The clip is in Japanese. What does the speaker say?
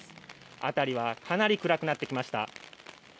辺りはかなり暗くなってきました。